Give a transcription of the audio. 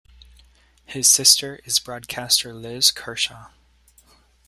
His sister is broadcaster Liz Kershaw.